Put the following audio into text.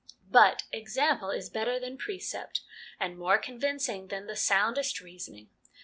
But example is better than precept, and more convincing than the soundest reasoning.